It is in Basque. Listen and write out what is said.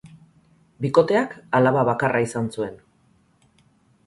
Bikoteak alaba bakarra izan zuen.